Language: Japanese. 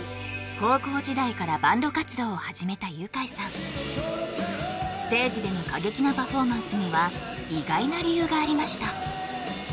ふんを始めたユカイさんステージでの過激なパフォーマンスには意外な理由がありました